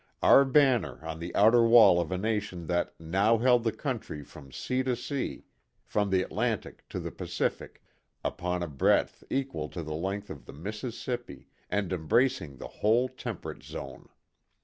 Our banner on the outer wall of a nation that " now held the country from sea to sea from the Atlantic to the Pacific upon a breadth equal to the length of the Mississippi and embracing the whole tem perate zone."